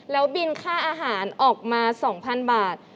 แล้วบินค่าอาหารออกมา๒๐๐๐บาท